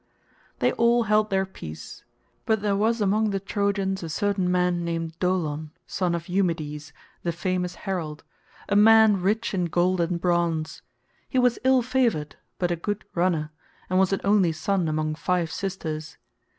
They all held their peace; but there was among the Trojans a certain man named Dolon, son of Eumedes, the famous herald—a man rich in gold and bronze. He was ill favoured, but a good runner, and was an only son among five sisters.